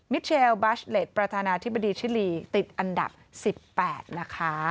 เทลบาชเล็ตประธานาธิบดีชิลีติดอันดับ๑๘นะคะ